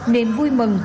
niềm vui mừng